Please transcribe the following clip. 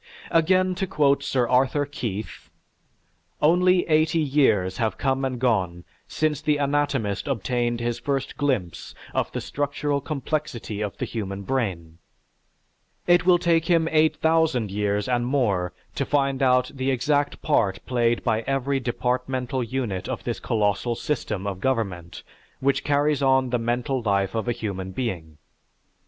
Again to quote Sir Arthur Keith: "Only eighty years have come and gone since the anatomist obtained his first glimpse of the structural complexity of the human brain; it will take him eight thousand years and more to find out the exact part played by every departmental unit of this colossal system of government which carries on the mental life of a human being.